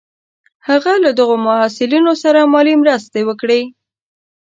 هغه له دغو محصلینو سره مالي مرستې وکړې.